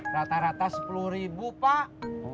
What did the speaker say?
rata rata sepuluh ribu pak